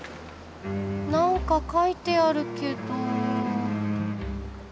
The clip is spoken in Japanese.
何か書いてあるけど。